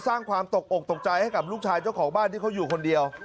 สร้างความตกอกตกใจให้กับลูกชายเจ้าของบ้านที่เขาอยู่คนเดียว